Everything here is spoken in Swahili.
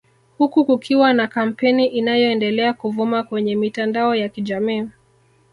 Huku kukiwa na kampeni inayoendelea kuvuma kwenye mitandao ya kijamii